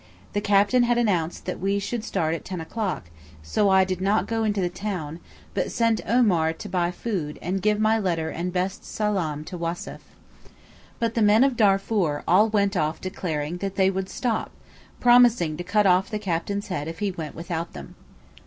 The captain had announced that we should start at ten o'clock, so I did not go into the town, but sent Omar to buy food and give my letter and best salaam to Wassef. But the men of Darfoor all went off declaring that they would stop, promising to cut off the captain's head if he went without them.